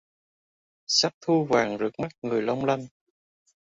Sắc thu vàng rực mắt người long lanh